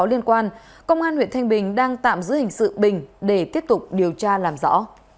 liên quan công an huyện thanh bình đang tạm giữ hình sự bình để tiếp tục điều tra làm rõ